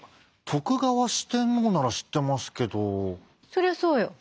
そりゃそうよ。